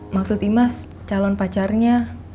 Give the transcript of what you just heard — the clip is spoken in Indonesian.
maksud imas calon pacarnya